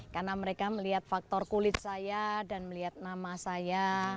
karena mereka melihat faktor kulit saya dan melihat nama saya